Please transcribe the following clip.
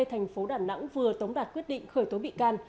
thành phố đà nẵng vừa tống đạt quyết định khởi tố bị can